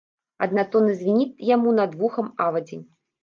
Аднатонна звініць яму над вухам авадзень.